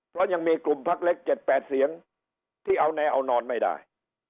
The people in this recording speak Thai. เพราะยังมีกลุ่มพักเล็ก๗๘เสียงที่เอาแนวเอานอนไม่ได้